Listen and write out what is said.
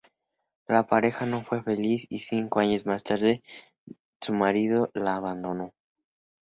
La pareja no fue feliz y cinco años más tarde su marido la abandonó.